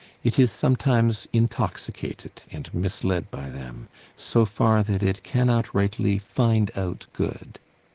It is sometimes intoxicated and misled by them, so far that it cannot rightly find out good.